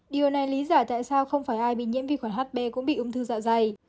điều này lý giải tại sao không phải ai bị nhiễm vi khuẩn hb cũng bị ung thư dạ dày